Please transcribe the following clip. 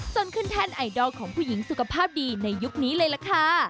ขึ้นแท่นไอดอลของผู้หญิงสุขภาพดีในยุคนี้เลยล่ะค่ะ